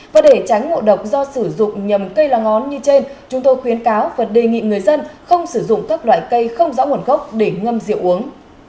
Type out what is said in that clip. và để tránh ngộ độc do sử dụng nhầm cây lá ngón như trên chúng tôi khuyến cáo và đề nghị người dân không sử dụng các loại cây không rõ nguồn gốc để ngâm rượu uống